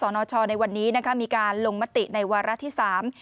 นชในวันนี้นะคะมีการลงมติในวาระที่สาม